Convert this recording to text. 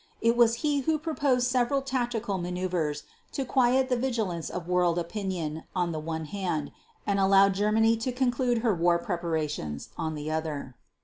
It was he who proposed several tactical maneuvers to quiet the vigilance of world opinion on the one hand, and allow Germany to conclude her war preparations, on the other.